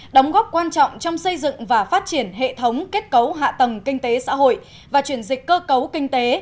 đóng góp quan trọng trong xây dựng và phát triển hệ thống kết cấu hạ tầng kinh tế xã hội và chuyển dịch cơ cấu kinh tế